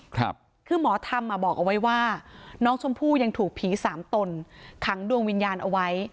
คือหมอธรรมอ่ะบอกเอาไว้ว่าน้องชมพู่ยังถูกผีสามตนขังดวงวิญญาณเอาไว้